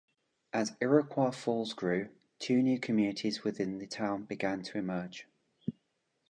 As Iroquois Falls grew, two new communities within the town began to emerge.